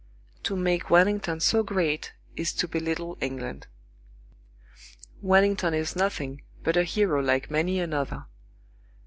To make Wellington so great is to belittle England. Wellington is nothing but a hero like many another.